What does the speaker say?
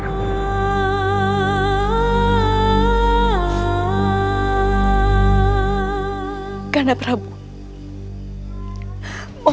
terbunyi atau kau buat mu